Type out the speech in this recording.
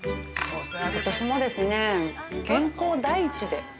ことしもですね、健康第一で。